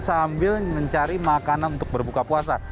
sambil mencari makanan untuk berbuka puasa